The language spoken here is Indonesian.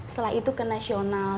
setelah itu ke nasional